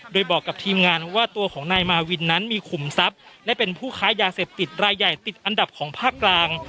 โดยบอกกับทีมงานว่าตัวของนายมาวินนั้นมีขุมทรัพย์และเป็นผู้ค้ายาเสพติดรายใหญ่ติดอันดับของภาคกลาง